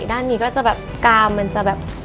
ด้านนี้ก็จะแบบกามมันจะแบบ